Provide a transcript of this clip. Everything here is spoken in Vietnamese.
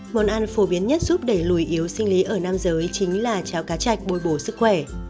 món ăn phổ biến nhất giúp đẩy lùi yếu sinh lý ở nam giới chính là cháo cá chạch bồi bổ sức khỏe